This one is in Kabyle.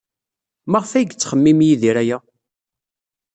Maɣef ay yettxemmim Yidir aya?